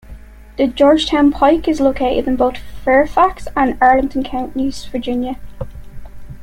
The Georgetown Pike is located in both Fairfax and Arlington Counties, Virginia.